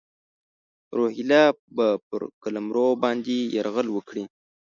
روهیله به پر قلمرو باندي یرغل وکړي.